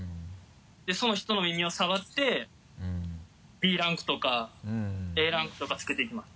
でその人の耳を触ってＢランクとかＡランクとかつけていきます。